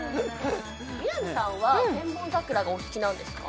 南さんは「千本桜」がお好きなんですか？